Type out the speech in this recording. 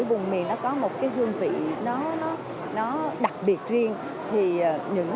ở miền nam để biết đến